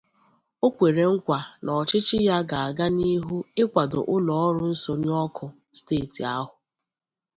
O kwere nkwà na ọchịchị ya ga-aga n'ihu ịkwàdo ụlọọrụ nsọnyụ ọkụ steeti ahụ